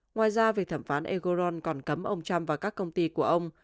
ngoài ra việc thẩm phán egorn còn cấm ông trump và các công ty của ông